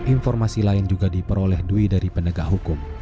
informasi lain juga diperoleh dwi dari penegak hukum